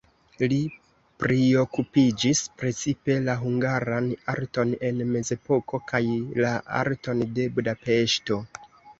Li priokupiĝis precipe la hungaran arton en mezepoko kaj la arton de Budapeŝto.